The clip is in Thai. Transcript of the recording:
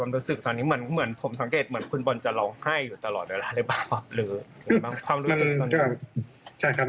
ความรู้สึกตอนนี้เหมือนผมสังเกตเหมือนคุณบอลจะร้องให้อยู่ตลอดเวลาหรือเปล่าหรือความรู้สึกตอนนี้